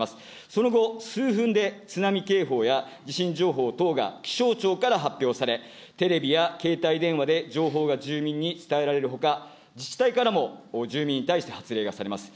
その後、数分で津波警報や、地震情報等が気象庁から発表され、テレビや携帯電話で情報が住民に伝えられるほか、自治体からも住民に対して発令がされます。